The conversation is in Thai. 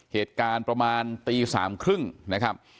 เหตุการณ์ประมาณตีสามครึ่งนะครับ